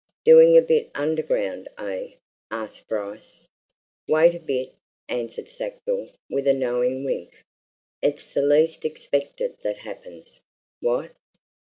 "Doing a bit underground, eh?" asked Bryce. "Wait a bit!" answered Sackville with a knowing wink. "It's the least expected that happens what?"